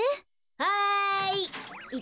はい。